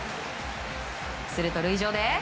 すると、塁上で。